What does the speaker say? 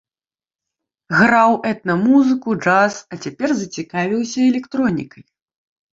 Граў этна-музыку, джаз, а цяпер зацікавіўся электронікай.